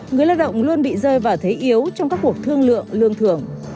người lao động luôn bị rơi vào thế yếu trong các cuộc thương lượng lương thưởng